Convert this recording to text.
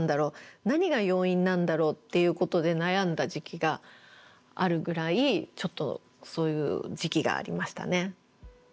何が要因なんだろうっていうことで悩んだ時期があるぐらいちょっとそういう時期がありましたね。